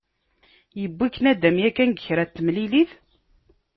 Yewwi-k nadam yakan deg kra n temlilit?